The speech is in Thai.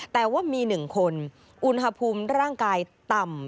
แต่ว่ามี๑คนอุณหภูมิร่างกายต่ำ